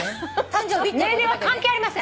年齢は関係ありません。